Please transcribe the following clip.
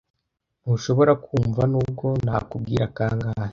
Ntushobora kumva, nubwo nakubwira kangahe.